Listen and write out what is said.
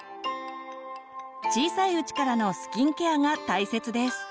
小さいうちからのスキンケアが大切です。